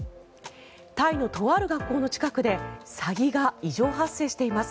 タイのとある学校の近くでサギが異常発生しています。